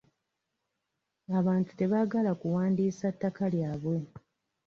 Abantu tebagaala kuwandiisa ttaka lyabwe.